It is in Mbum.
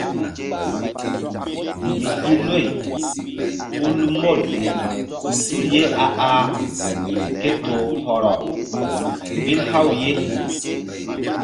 Mi i loy ku lu mol tul ye a ah ke toh hɔrɔ ɓil haw ye.